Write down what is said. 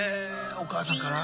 お母さんから？